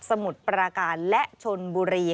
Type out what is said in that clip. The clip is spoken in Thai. สมุทรปรากาลและชลบุรี